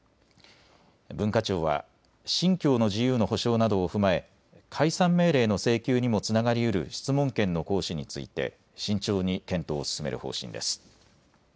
文化庁は信教の自由の保障などを踏まえ解散命令の請求にもつながりうる質問権の行使について慎重に検討を進める方針です。